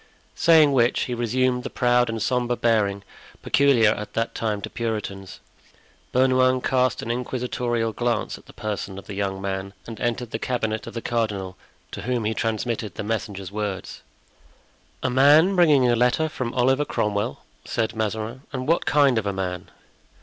Saying which, he resumed the proud and sombre bearing peculiar at that time to Puritans. Bernouin cast an inquisitorial glance at the person of the young man and entered the cabinet of the cardinal, to whom he transmitted the messenger's words. "A man bringing a letter from Oliver Cromwell?" said Mazarin. "And what kind of a man?"